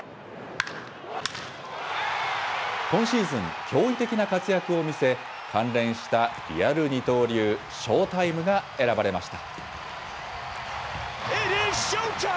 今シーズン、驚異的な活躍を見せ、関連したリアル二刀流／ショータイムが選ばれました。